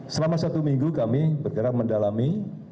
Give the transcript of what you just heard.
selama satu minggu kami bergerak mendalami